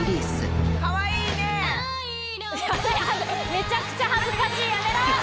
めちゃくちゃ恥ずかしいやめろ！